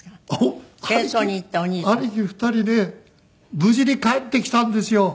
兄貴２人ね無事に帰ってきたんですよ！